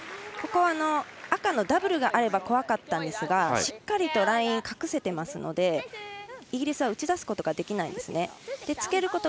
ここは赤のダブルがあれば怖かったんですが、しっかりとラインを隠せていますのでイギリスは打ち出すことができないんですね。